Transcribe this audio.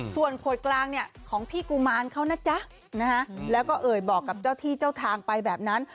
ส่วนขวดกลางเนี่ยของพี่กุมารเขานะจ๊ะนะฮะแล้วก็เอ่ยบอกกับเจ้าที่เจ้าทางไปแบบนั้น